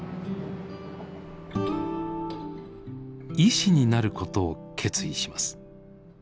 医師になることを決意します。